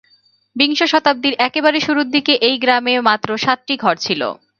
বিংশ শতাব্দীর একেবারে শুরুর দিকে এই গ্রামে মাত্র সাতটি ঘর ছিল।